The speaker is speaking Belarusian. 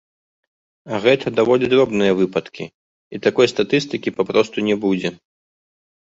А гэта даволі дробныя выпадкі, і такой статыстыкі папросту не будзе.